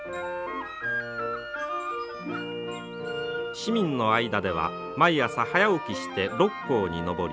市民の間では毎朝早起きして六甲に登り